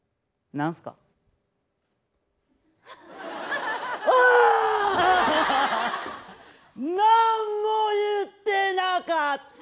何も言ってなかった！